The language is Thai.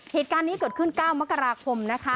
เหตุการณ์นี้เกิดขึ้น๙มกราคมนะคะ